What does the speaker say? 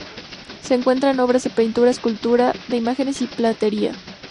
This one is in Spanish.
Se encuentran obras de pintura, escultura de imágenes y platería.